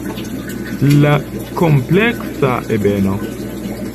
La kompleksa ebeno.